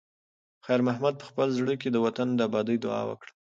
خیر محمد په خپل زړه کې د وطن د ابادۍ دعا وکړه.